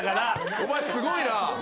お前すごいな！